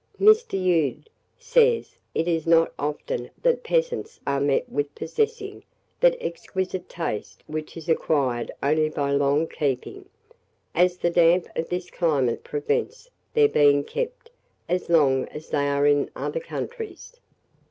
Mr. Ude says "It is not often that pheasants are met with possessing that exquisite taste which is acquired only by long keeping, as the damp of this climate prevents their being kept as long as they are in other countries.